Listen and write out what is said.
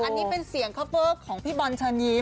อันนี้เป็นเสียงเค้าเปิ๊บของพี่บัรชน์ยิ้ม